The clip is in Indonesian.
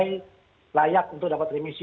sehingga dinilai layak untuk dapat remisi